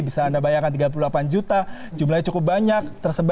bisa anda bayangkan tiga puluh delapan juta jumlahnya cukup banyak